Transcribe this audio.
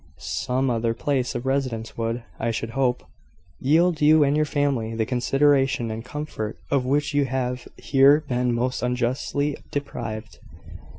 "Some other place of residence would, I should hope, yield you and your family the consideration and comfort of which you have here been most unjustly deprived.